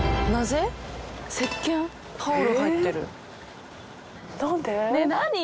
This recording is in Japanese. せっけんタオル入ってる。